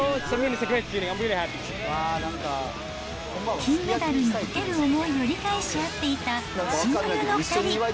金メダルにかける思いを理解し合っていた親友の２人。